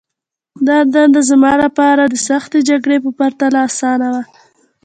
دا دنده زما لپاره د سختې جګړې په پرتله آسانه وه